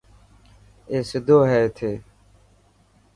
اي ستو هي اٿي.